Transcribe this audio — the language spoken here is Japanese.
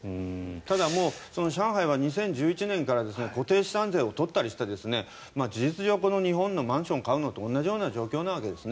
ただ、上海は２０１１年から固定資産税を取ったりして事実上日本のマンションと買うのと同じような状況のわけです。